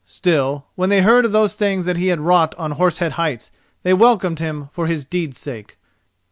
Still, when they heard of those things that he had wrought on Horse Head Heights, they welcomed him for his deed's sake.